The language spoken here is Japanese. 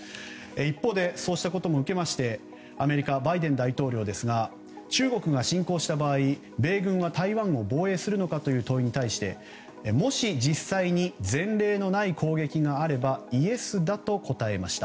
一方でそうしたことを受けましてアメリカ、バイデン大統領は中国が侵攻した場合米軍は台湾を防衛するのかという問いに対してもし、実際に前例のない攻撃があればイエスだと答えました。